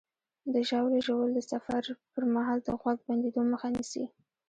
د ژاولې ژوول د سفر پر مهال د غوږ بندېدو مخه نیسي.